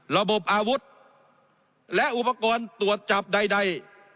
ระบบอาวุธและอุปกรณ์ตรวจจับใด